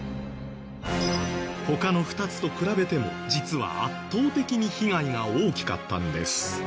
他の２つと比べても実は圧倒的に被害が大きかったんです。